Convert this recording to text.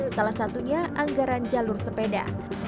salah satunya anggaran jalur sepeda